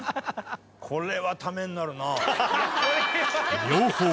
これはためになるな！